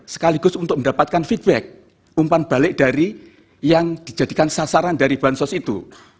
sekaligus untuk mendapatkan feedback umpan balik dari yang dijadikan sasaran dari bansos itu